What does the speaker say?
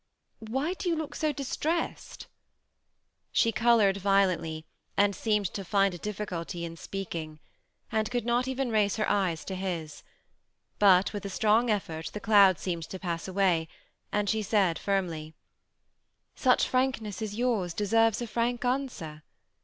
Why do you look so distressed ?" She colored violently, and seemed to find a difficulty in speaking ; and could not even raise her eyes to his. But with a strong effort the cloud seemed to pass away, and she said, firmly, ^^ Such frankness as yours deserves a frank answer.